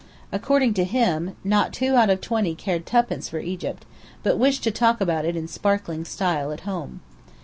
According to him not two out of twenty cared tuppence for Egypt, but wished to talk about it in sparkling style at home.